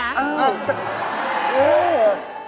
เออ